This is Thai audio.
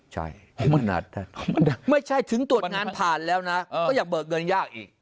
ใช่ไม่ใช่ถึงตรวจงานผ่านแล้วนะก็ยังเบิกเงินยากอีก